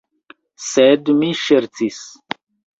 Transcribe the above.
Sed mi ŝercis.